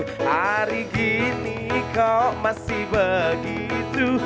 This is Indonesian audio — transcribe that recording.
hari gini kok masih begitu